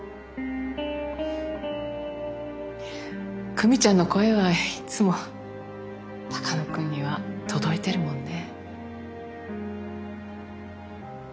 久美ちゃんの声はいつも鷹野君には届いてるもんね。